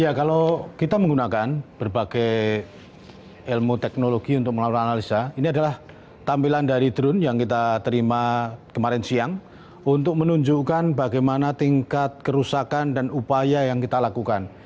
ya kalau kita menggunakan berbagai ilmu teknologi untuk melakukan analisa ini adalah tampilan dari drone yang kita terima kemarin siang untuk menunjukkan bagaimana tingkat kerusakan dan upaya yang kita lakukan